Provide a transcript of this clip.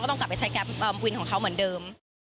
ต้องกลับไปใช้แก๊ปวินของเขาเหมือนเดิม